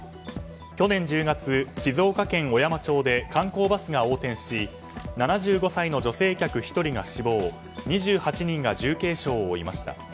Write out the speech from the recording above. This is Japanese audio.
去年１０月、静岡県小山町で観光バスが横転し７５歳の女性客１人が死亡２８人が重軽傷を負いました。